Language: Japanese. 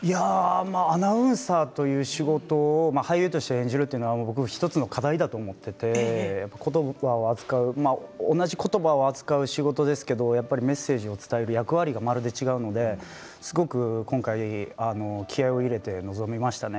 アナウンサーという仕事を俳優として演じるというのは１つの課題だと思っていて言葉を扱う同じ言葉を扱う仕事ですけれどメッセージを伝える役割がまるで違うのですごく今回気合いを入れて臨みましたね。